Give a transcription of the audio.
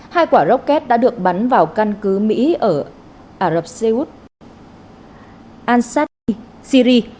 hai quả rocket đã được bắn vào căn cứ mỹ ở arabseut ansat syri